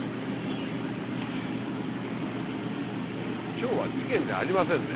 今日は事件じゃありませんね。